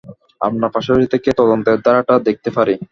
আপনার পাশাপাশি থেকে তদন্তের ধারাটা দেখতে পারি।